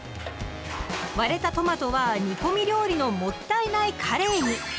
割れたトマトは煮込み料理の「もったいないカレー」に！